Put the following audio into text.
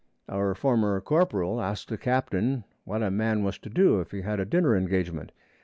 Our former corporal asked the captain what a man was to do if he had a dinner engagement.